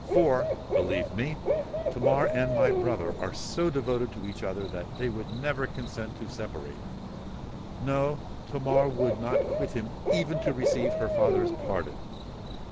For, believe me, Tamar and my brother are so devoted to each other that they would never consent to separate:—no—Tamar would not quit him even to receive her father's pardon!